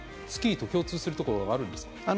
スキーと共通するところはあるんですか？